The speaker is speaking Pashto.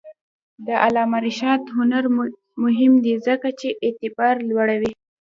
د علامه رشاد لیکنی هنر مهم دی ځکه چې اعتبار لوړوي.